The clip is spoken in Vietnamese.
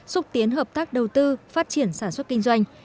xúc tiến hợp tác đầu tư phát triển sản xuất kinh doanh